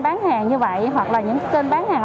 bán hàng như vậy hoặc là những kênh bán hàng